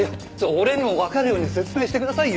俺にもわかるように説明してくださいよ。